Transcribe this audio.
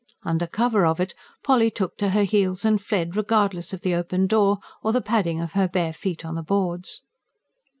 Under cover of it Polly took to her heels and fled, regardless of the open door, or the padding of her bare feet on the boards.